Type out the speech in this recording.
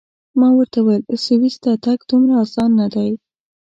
ما ورته وویل: سویس ته تګ دومره اسان نه دی.